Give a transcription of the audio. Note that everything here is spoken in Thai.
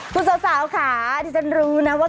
คุณสาวค่ะดิฉันรู้นะว่า